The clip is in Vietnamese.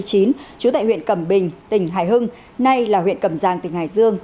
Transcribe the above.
trú tại huyện cầm bình tỉnh hải hưng nay là huyện cầm giang tỉnh hà giang